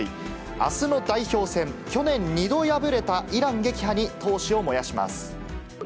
あすの代表戦、去年２度敗れたイラン撃破に闘志を燃やします。